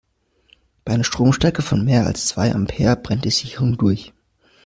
Bei einer Stromstärke von mehr als zwei Ampere brennt die Sicherung durch.